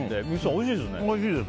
おいしいです。